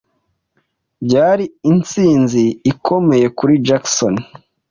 Byari intsinzi ikomeye kuri Jackson.